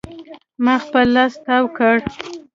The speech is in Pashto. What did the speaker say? ما خپل لاس تاو کړ.